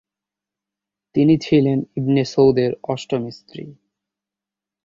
তিনি ছিলেন ইবনে সৌদের অষ্টম স্ত্রী।